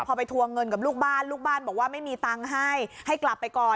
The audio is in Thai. พอไปทวงเงินกับลูกบ้านลูกบ้านบอกว่าไม่มีตังค์ให้ให้กลับไปก่อน